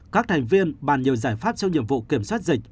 các thành viên bàn nhiều giải pháp cho nhiệm vụ kiểm soát dịch